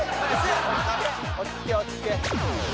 落ち着け落ち着け